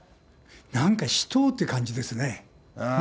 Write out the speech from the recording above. なんか、死闘という感じですね。